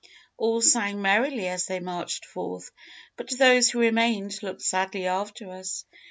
All sang merrily as they marched forth, but those who remained looked sadly after us.